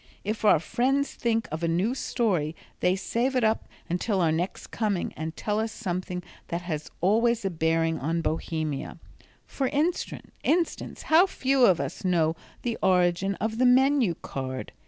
If our friends think of a new story they save it up until our next coming and tell us something that always has a bearing on Bohemia. For instance, how few of us know the origin of the menu card.